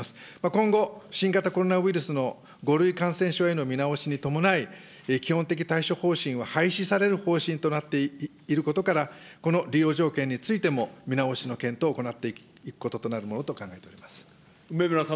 今後、新型コロナウイルスの５類感染症への見直しに伴い、基本的対処方針は廃止される方針となっていることから、この利用条件についても、見直しの検討を行っていくこととなるものと考えております。